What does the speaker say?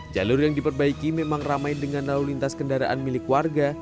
jalur yang diperbaiki memang ramai dengan lalu lintas kendaraan milik warga